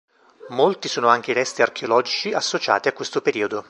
Molti sono anche i resti archeologici associati a questo periodo.